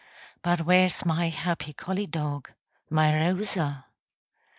But where's my happy collie dog, My Rosa?